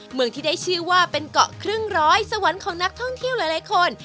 เมืองที่ได้ชื่อว่าเป็นเกาะครึ่งร้อยสวรรค์ของนักท่องเที่ยวหลายคน